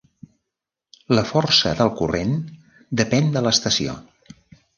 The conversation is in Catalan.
La força del corrent depèn de l'estació.